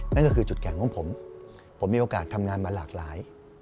นั่นก็คือจุดแข่งของผมผมมีโอกาสทำงานมาหลากหลาย